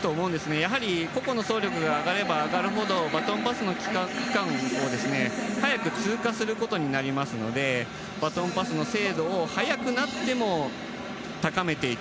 やはりここの走力が上がれば上がるほどバトンパスの区間も速く通過することになりますのでバトンパスの精度を速くなっても高めていく。